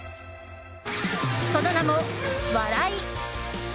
その名も、笑衣。